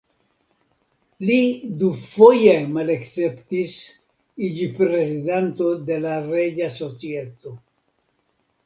Li dufoje malakceptis iĝi Prezidanto de la Reĝa Societo.